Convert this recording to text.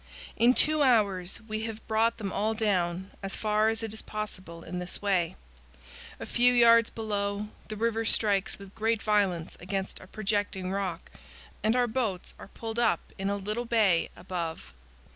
In two hours we have brought them all down, as far as it is possible, in this way. A few yards below, the river strikes with great violence against a projecting rock and our boats are pulled up in a little bay above.